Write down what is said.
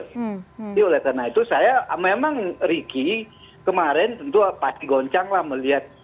jadi oleh karena itu saya memang ricky kemarin tentu pasti goncanglah melihat